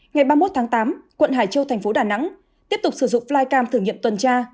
ngày ba mươi một tháng tám quận hải châu thành phố đà nẵng tiếp tục sử dụng flycam thử nghiệm tuần tra